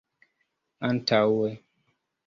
antaŭe